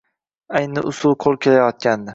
ayni usul qo‘l kelayotgandi.